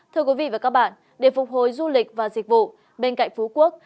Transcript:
thưa quý vị và các bạn để phục hồi du lịch và dịch vụ bên cạnh phú quốc